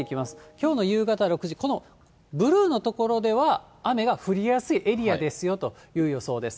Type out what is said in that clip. きょうの夕方６時、このブルーの所では雨が降りやすいエリアですよという予想です。